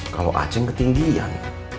kalau acing ketinggian